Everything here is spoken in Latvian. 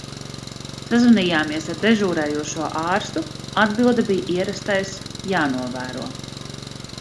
Sazvanījāmies ar dežūrējošo ārstu, atbilde bija ierastais "jānovēro".